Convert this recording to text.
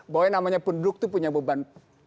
bahwa yang namanya penduduk itu punya beban